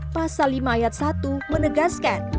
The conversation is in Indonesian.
pasal lima ayat satu menegaskan